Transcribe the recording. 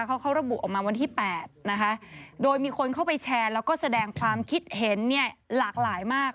เขาเขาระบุออกมาวันที่๘นะคะโดยมีคนเข้าไปแชร์แล้วก็แสดงความคิดเห็นเนี่ยหลากหลายมาก